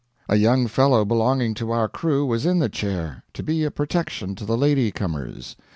A young fellow belonging to our crew was in the chair, to be a protection to the lady comers.